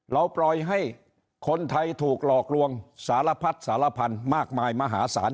ปล่อยให้คนไทยถูกหลอกลวงสารพัดสารพันธุ์มากมายมหาศาล